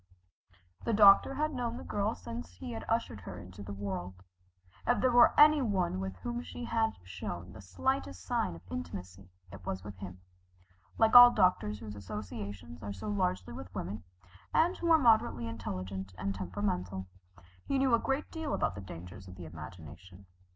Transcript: The doctor had known the girl since he ushered her into the world. If there were any one with whom she had shown the slightest sign of intimacy, it was with him. Like all doctors whose associations are so largely with women, and who are moderately intelligent and temperamental, he knew a great deal about the dangers of the imagination.